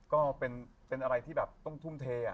ก็เป็นอะไรที่แบบต้องทุ่มเท